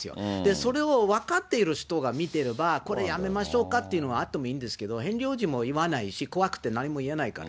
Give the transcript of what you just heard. それを分かっている人が見てれば、これやめましょうかっていうのはあってもいいんですけど、ヘンリー王子も言わないし、怖くて何も言えないから。